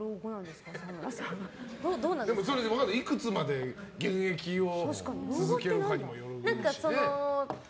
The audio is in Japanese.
分かんない、いくつまで現役を続けるかにもよるしね。